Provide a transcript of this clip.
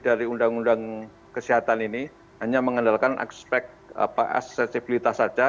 dari undang undang kesehatan ini hanya mengandalkan aspek aksesibilitas saja